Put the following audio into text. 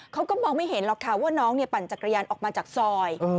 เขาก็มองไม่เห็นหรอกค่ะว่าน้องปั่นจักรยานออกมาจากซอย